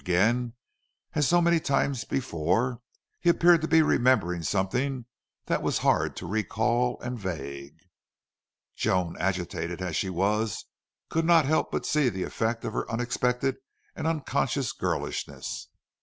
Again, as so many times before, he appeared to be remembering something that was hard to recall, and vague. Joan, agitated as she was, could not help but see the effect of her unexpected and unconscious girlishness.